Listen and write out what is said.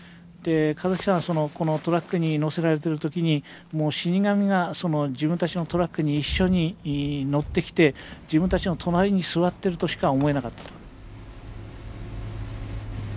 香月さんはこのトラックに乗せられてる時に死に神が自分たちのトラックに一緒に乗ってきて自分たちの隣に座ってるとしか思えなかった。